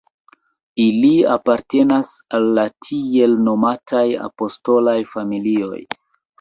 Ili apartenas al la tiel nomataj apostolaj familioj.